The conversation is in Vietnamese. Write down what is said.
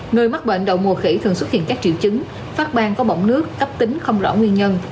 người mắc bệnh đậu mùa khỉ thường xuất hiện các triệu chứng phát bang có bỏng nước cấp tính không rõ nguyên nhân